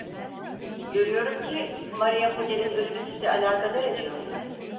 Görüyorum ki, Maria Puder'in ölümü sizi alakadar ediyor.